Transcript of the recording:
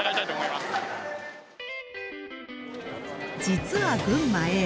実は群馬Ａ